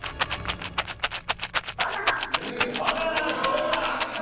バナナどうだ？